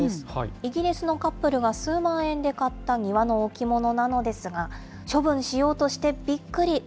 イギリスのカップルが数万円で買った庭の置物なのですが、処分しようとしてびっくり。